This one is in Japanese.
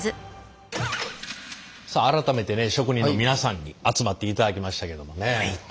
さあ改めてね職人の皆さんに集まっていただきましたけどもね。